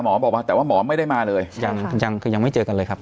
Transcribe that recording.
บอกว่าแต่ว่าหมอไม่ได้มาเลยยังคือยังไม่เจอกันเลยครับ